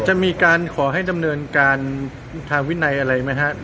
จะมีการขอให้ดำเนินการทางวินัยอะไรไหมครับ